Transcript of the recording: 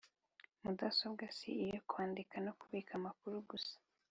mudasobwa si iyo kwandika no kubika amakuru gusa